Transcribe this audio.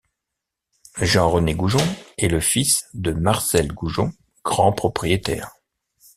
Jean-René Gougeon est le fils de Marcel Gougeon, grand propriétaire.